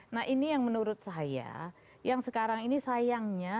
nah ini yang menurut saya yang sekarang ini sayangnya